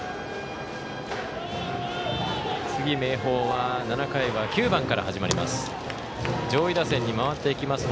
次、明豊は７回は９番から始まります。